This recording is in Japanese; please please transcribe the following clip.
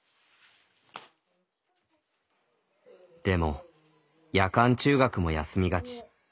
でも夜間中学も休みがち。